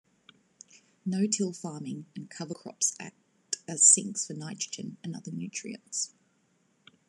No-till farming and cover crops act as sinks for nitrogen and other nutrients.